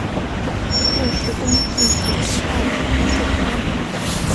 殿试登进士第二甲第四十八名。